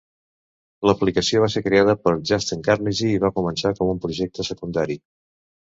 L'aplicació va ser creada per Justin Karneges i va començar com un projecte secundari.